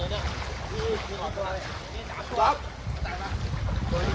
โดรสัตว์โค้งอ่ะโอเคครับยังไงก็จะอยู่บ้านน่ะครับโอเคครับ